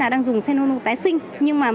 đang dùng xenonu tái sinh nhưng mà